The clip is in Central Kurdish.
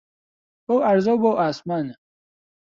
بەو عەرزە و بە عاسمانە